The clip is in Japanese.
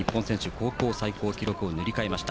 高校最高記録を塗り替えました。